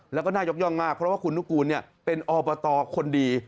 แล้วก็น่ายกย่องมากเพราะว่าคุณนุกูลเป็นอบตคนดี